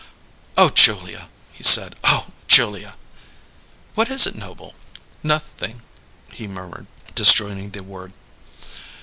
"Oh, Julia!" he said. "Oh, Julia!" "What is it, Noble?" "Noth ing," he murmured, disjointing the word.